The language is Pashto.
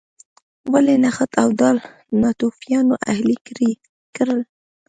ولې نخود او دال ناتوفیانو اهلي کړل.